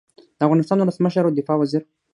د افغانستان ولسمشر او د دفاع وزیر